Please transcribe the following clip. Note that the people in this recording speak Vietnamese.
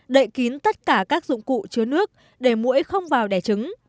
một đậy kín tất cả các dụng cụ chứa nước để mũi không vào đẻ trứng